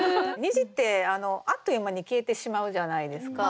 虹ってあっという間に消えてしまうじゃないですか。